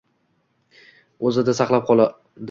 o‘zida saqlab qoladi